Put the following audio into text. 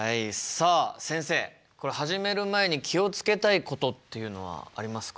さあ先生始める前に気を付けたいことっていうのはありますか？